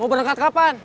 mau berangkat kapan